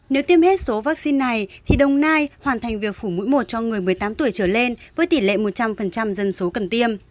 nếu tiêm hết số vaccine này thì đồng nai hoàn thành việc phủ mũi một cho người một mươi tám tuổi trở lên với tỷ lệ một trăm linh dân số cần tiêm